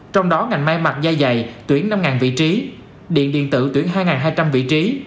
trong đó ngành mai mặt dai dày tuyển năm vị trí điện điện tự tuyển hai hai trăm linh vị trí